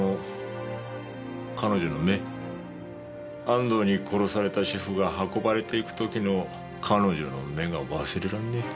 安藤に殺された主婦が運ばれていく時の彼女の目が忘れらんねえ。